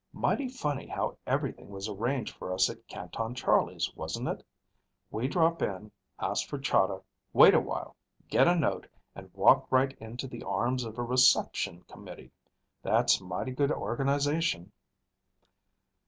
"Mighty funny how everything was arranged for us at Canton Charlie's, wasn't it? We drop in, ask for Chahda, wait a while, get a note, and walk right into the arms of a reception committee. That's mighty good organization."